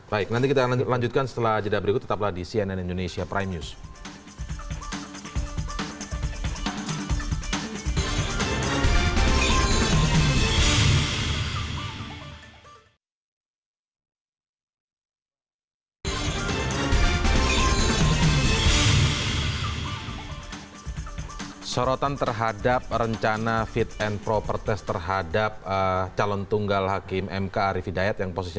baik nanti kita lanjutkan setelah jeda berikut tetaplah di cnn indonesia prime news